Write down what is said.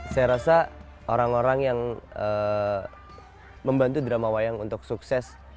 saya rasa orang orang yang membantu drama wayang untuk sukses